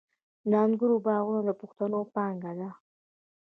د انګورو باغونه د پښتنو پانګه ده.